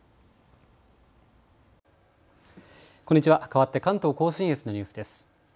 かわって関東甲信越のニュースです。